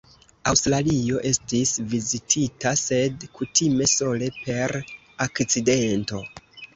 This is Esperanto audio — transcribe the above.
Aŭstralio estis vizitita, sed kutime sole per akcidento.